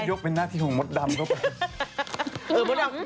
กเป็นหน้าที่ของมดดำเข้าไป